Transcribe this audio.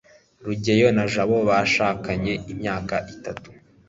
rugeyo na jabo bashakanye imyaka itatu